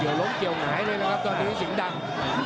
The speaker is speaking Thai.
เกี่ยวล้มเกี่ยวไหงด้วยนะครับตอนนี้กับสิงห์ดำ